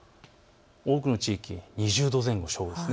多くの地域２０度前後です。